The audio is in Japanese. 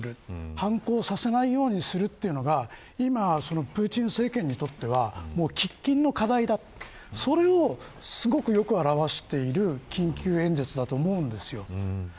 反抗させないようにするというのが今、プーチン政権にとっては喫緊の課題だとそれをすごくよく表している緊急演説だと思うんです。